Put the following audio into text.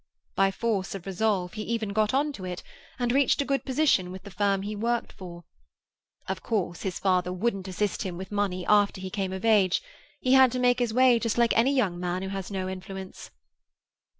By force of resolve he even got on to it, and reached a good position with the firm he worked for. Of course his father wouldn't assist him with money after he came of age; he had to make his way just like any young man who has no influence."